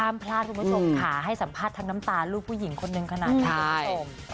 พลาดคุณผู้ชมค่ะให้สัมภาษณ์ทั้งน้ำตาลูกผู้หญิงคนนึงขนาดนี้คุณผู้ชม